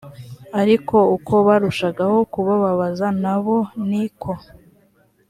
ariko uko barushagaho kubababaza na bo ni ko